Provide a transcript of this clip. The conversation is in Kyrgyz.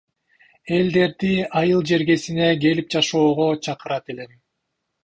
Элдерди айыл жергесине келип жашоого чакырат элем.